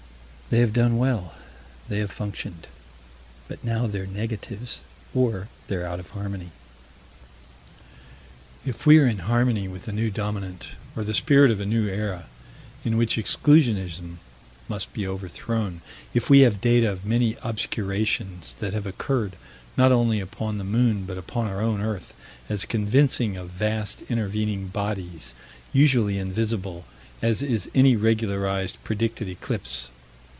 They have done well. They have functioned. But now they're negatives, or they're out of harmony If we are in harmony with a new dominant, or the spirit of a new era, in which Exclusionism must be overthrown; if we have data of many obscurations that have occurred, not only upon the moon, but upon our own earth, as convincing of vast intervening bodies, usually invisible, as is any regularized, predicted eclipse.